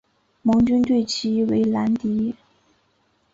盟军对其为兰迪。